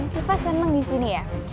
syifa senang di sini ya